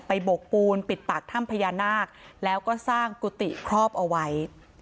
โบกปูนปิดปากถ้ำพญานาคแล้วก็สร้างกุฏิครอบเอาไว้